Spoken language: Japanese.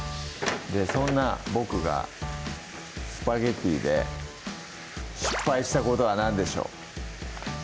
そんな僕がスパゲッティで失敗したことは何でしょう？